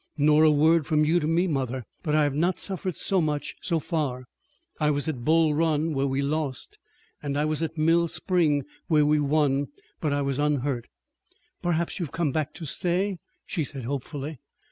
"Nor a word from you to me, mother, but I have not suffered so much so far. I was at Bull Run, where we lost, and I was at Mill Spring, where we won, but I was unhurt." "Perhaps you have come back to stay," she said hopefully.